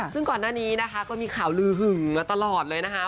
ซึ่งก่อนหน้านี้นะคะก็มีข่าวลือหึงมาตลอดเลยนะคะ